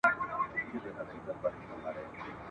څښتن مي لا هم نه پېژنم !.